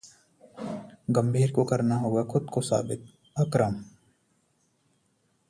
गंभीर को करना होगा खुद को साबितः अकरम